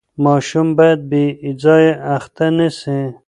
ماشوم باید بې ځایه اخته نه سي.